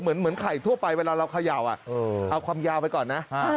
เหมือนเหมือนไข่ทั่วไปเวลาเราขย่าวอ่ะเออเอาความยาวไปก่อนน่ะอ่า